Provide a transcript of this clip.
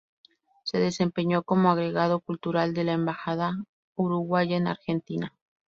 Se desempeñó como Agregado Cultural de la Embajada uruguaya en Argentina.